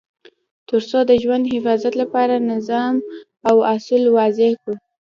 تر څو د ژوند د حفاظت لپاره نظام او اصول وضع کړو.